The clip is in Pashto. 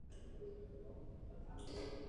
بوټ جوړونکی هم د نانوای په څېر د نورو اړتیاوې بشپړوي